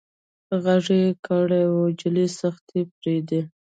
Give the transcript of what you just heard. غږ يې کړ وه جلۍ سختي پرېدئ.